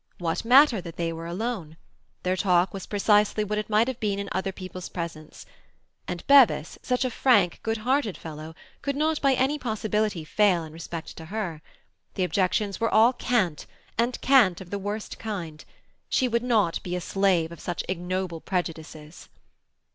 What matter that they were alone? Their talk was precisely what it might have been in other people's presence. And Bevis, such a frank, good hearted fellow, could not by any possibility fail in respect to her. The objections were all cant, and cant of the worst kind. She would not be a slave of such ignoble prejudices.